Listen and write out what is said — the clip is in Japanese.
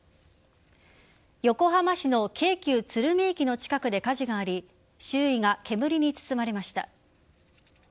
横浜市の京急鶴見駅の近くで火事があり周囲が煙に包まれました。